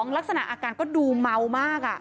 ลักษณะอาการก็ดูเมามาก